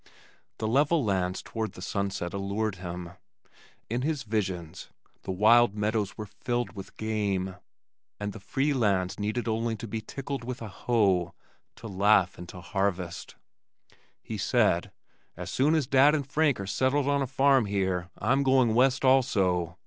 The level lands toward the sunset allured him. In his visions the wild meadows were filled with game, and the free lands needed only to be tickled with a hoe to laugh into harvest. He said, "As soon as Dad and Frank are settled on a farm here, I'm going west also.